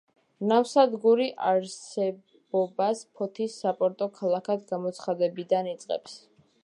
ნავსადგური არსებობას ფოთის საპორტო ქალაქად გამოცხადებიდან იწყებს.